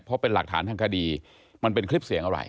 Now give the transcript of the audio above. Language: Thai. เพราะเป็นหลักฐานทางคดีมันเป็นคลิปเสียงอะไร